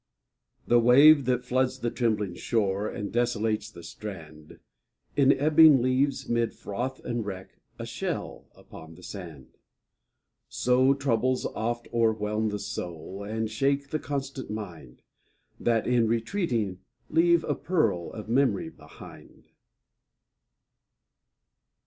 HE wave that floods the trembling shore, And desolates the strand, In ebbing leaves, 'mid froth and wreck, A shell upon the sand. So troubles oft o'erwhelm the soul ; And shake the constant mind. That in retreating leave a pearl Of memory behind.